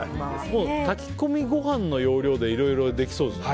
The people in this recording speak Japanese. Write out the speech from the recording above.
炊き込みご飯の要領でいろいろできそうですね。